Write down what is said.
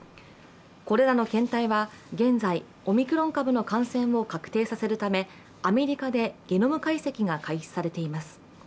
これらの検体は現在、オミクロン株の感染を確定させるためアメリカでゲノム解析が開始されています。